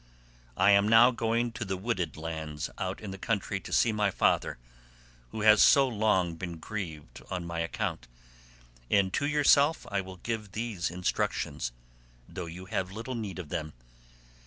I am now going to the wooded lands out in the country to see my father who has so long been grieved on my account, and to yourself I will give these instructions, though you have little need of them.